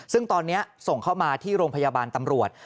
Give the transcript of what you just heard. ซึ่งตอนนี้ส่งเข้ามาที่โรงพยาบาลตำรวจ